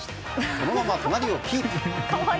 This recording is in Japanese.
このまま隣をキープ。